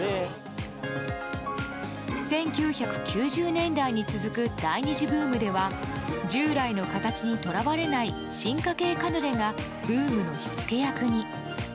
１９９０年代に続く第２次ブームでは従来の形にとらわれない進化形カヌレがブームの火付け役に。